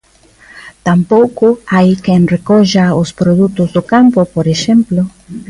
Tampouco hai quen recolla os produtos do campo, por exemplo.